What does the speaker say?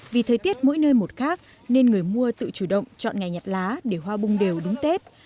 vì thời tiết mỗi nơi một khác nên người mua tự chủ động chọn ngày nhặt lá để hoa bung đều đúng tết